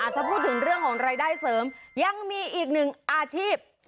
ถ้าพูดถึงเรื่องของรายได้เสริมยังมีอีกหนึ่งอาชีพ